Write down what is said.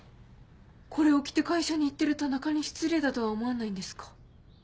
これを着て会社に行ってる田中に失礼だとは思わないんですか？